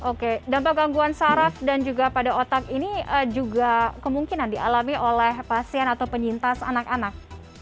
oke dampak gangguan saraf dan juga pada otak ini juga kemungkinan dialami oleh pasien atau penyintas anak anak